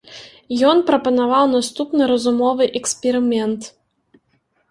Ён прапанаваў наступны разумовы эксперымент.